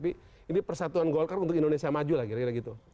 ini persatuan golkar untuk indonesia maju lah kira kira gitu